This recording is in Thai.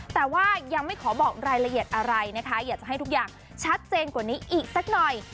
แต่ว่ายังไม่ขอบอกรายละเอียดอะไรนะคะอยากจะให้ทุกอย่างชัดเจนกว่านี้อีกสักหน่อย